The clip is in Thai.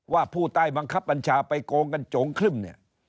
ผู้ใต้บังคับบัญชาไปโกงกันโจงครึ่มเนี่ย